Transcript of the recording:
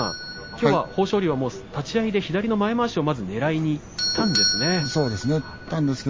きょうの豊昇龍の立ち合い前まわしをねらいにいったんですね。